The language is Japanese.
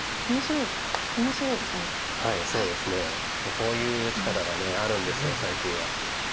こういう打ち方があるんです最近は。